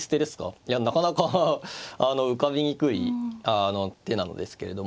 いやなかなか浮かびにくい手なのですけれども。